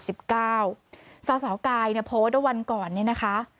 สาวกายโพสต์วันก่อนนี้นะคะ